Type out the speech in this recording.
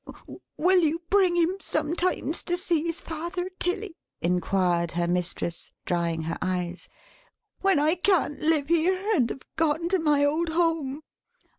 "Will you bring him sometimes, to see his father, Tilly," enquired her mistress; drying her eyes; "when I can't live here, and have gone to my old home?"